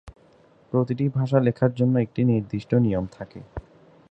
প্রতিটি ভাষা লেখার জন্য নির্দিষ্ট নিয়ম থাকে।